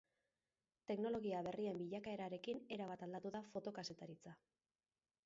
Teknologia berrien bilakaerarekin erabat aldatu da fotokazetaritza.